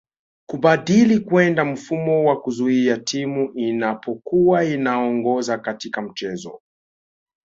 Kubadili kwenda mfumo wa kuzuia Timu inapokua inaongoza katika mchezo